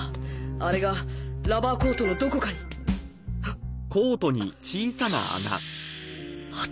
アレがラバーコートのどこかにはっ！？あっ。